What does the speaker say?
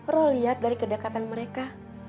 lo liat dari kedekatan mereka